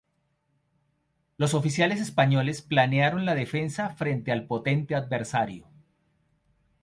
Los oficiales españoles planearon la defensa frente al potente adversario.